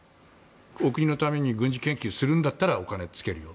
お国のために軍事研究するんだったらお金つけるよ。